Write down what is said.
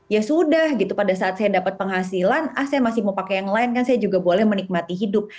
ya sudah pada saat saya mendapat penghasilan saya masih mau pakai yang lain saya juga boleh menikmati hidup